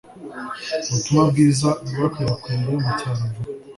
ubutumwa bwiza bwakwirakwiriye mucyaro vuba.